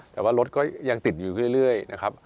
แต่ว่ารถก็ยังติดอยู่เรื่อย